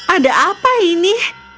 ada apa ini